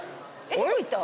どこ行った？